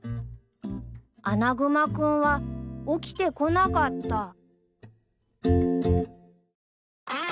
［アナグマ君は起きてこなかった］